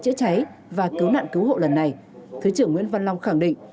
chữa cháy và cứu nạn cứu hộ lần này thứ trưởng nguyễn văn long khẳng định